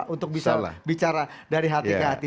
untuk bisa bicara dari hati ke hati